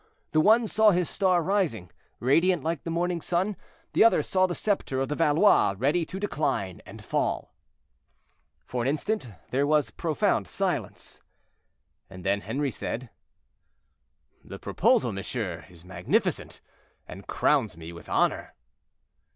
The one saw his star rising, radiant like the morning sun; the other saw the scepter of the Valois ready to decline and fall. For an instant there was profound silence, and then Henri said: "The proposal, monsieur, is magnificent, and crowns me with honor."